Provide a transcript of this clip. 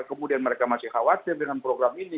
kemudian mereka masih khawatir dengan program ini